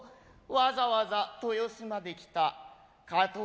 わざわざ豊洲まで来た下等